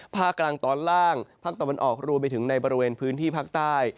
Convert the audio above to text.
ภาคกลางตอนล่างภาคตะวันออกรวมไปถึงในบริเวณพื้นที่ภาคใต้